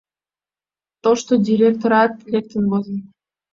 Тошто директорат лектын возын.